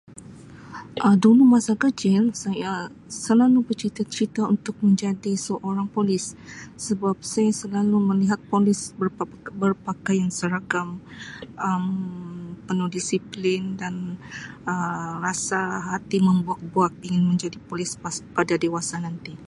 Um Dulu masa kecil saya selalu bercita-cita untuk menjadi seorang polis sebab saya selalu melihat polis berpakaian seragam Um penuh disiplin dan Um rasa hati membuak-buak ingin menjadi polis pada dewasa nanti.